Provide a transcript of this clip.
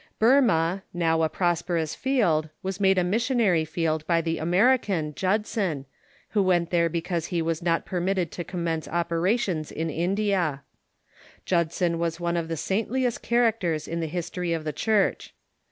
Burma, now a prosperous field, was made a missionary field by the American, Judson, who went there because he was not permitted to commence operations in India. Burma ^• t i ii Judson was one ot the sainthest characters in the iiis tory of the Church.